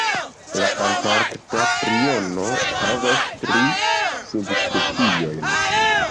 La Antarkta priono havas tri subspeciojn.